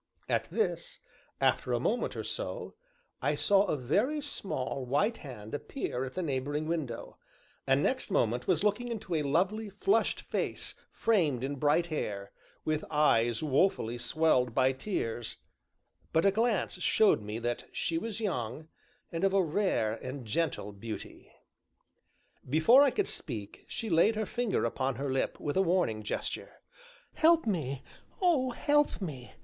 At this, after a moment or so, I saw a very small, white hand appear at the neighboring window, and next moment was looking into a lovely, flushed face framed in bright hair, with eyes woefully swelled by tears but a glance showed me that she was young, and of a rare and gentle beauty. Before I could speak, she laid her finger upon her lip with a warning gesture. "Help me oh, help me!"